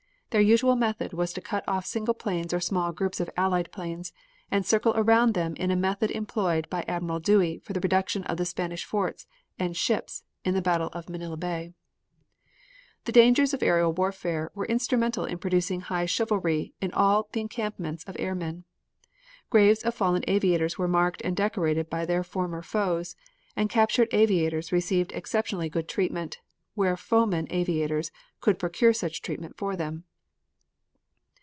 Their usual method was to cut off single planes or small groups of Allied planes, and to circle around them in the method employed by Admiral Dewey for the reduction of the Spanish forts and ships in the Battle of Manila Bay. The dangers of aerial warfare were instrumental in producing high chivalry in all the encampments of air men. Graves of fallen aviators were marked and decorated by their former foes, and captured aviators received exceptionally good treatment, where foemen aviators could procure such treatment for them.